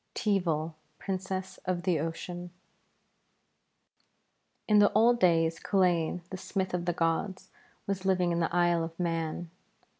TEEVAL, PRINCESS OF THE OCEAN In the old days Culain, the smith of the gods, was living in the Isle of Mann.